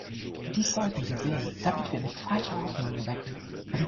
Dies sollten wir sehen, damit wir nicht falsche Hoffnungen wecken.